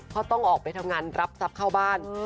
เพราะต้องออกไปทำงานรับทรัพย์เข้าบ้าน